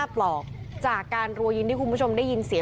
พวกมันต้องกินกันพี่